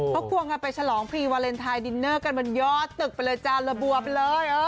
พอกลวงคานไปฉลองพรีเวลนไทดิเนอร์กันมันยอดตึกไปเลยจานละบวบเลย